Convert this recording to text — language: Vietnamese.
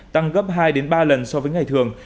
tăng gấp hai ba lần so với ngày thường